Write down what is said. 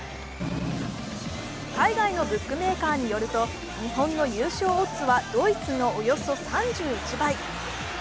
海外のブックメーカーによると、日本の優勝オッズはドイツのおよそ３１倍。